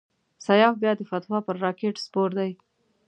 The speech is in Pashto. سیاف بیا د فتوی پر راکېټ سپور دی.